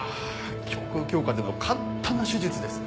胸腔鏡下での簡単な手術です。